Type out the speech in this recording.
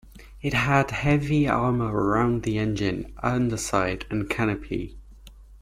It had heavy armour around the engine, underside and canopy.